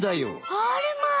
あれまあ！